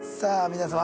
皆様